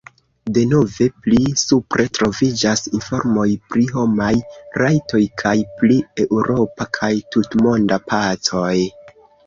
Denove pli supre troviĝas informoj pri homaj rajtoj kaj pri eŭropa kaj tutmonda pacoj.